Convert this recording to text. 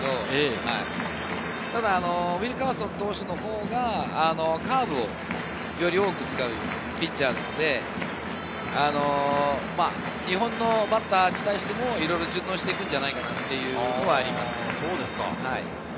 ただウィルカーソンのほうがカーブをより多く使うピッチャーなので、日本のバッターに対しても順応していくのではないかなと思います。